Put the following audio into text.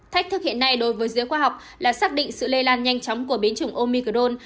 thách thức hiện nay đối với giới khoa học là xác định sự lây lan nhanh chóng của biến chủng omicron